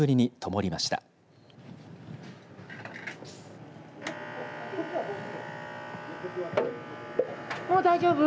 もう大丈夫？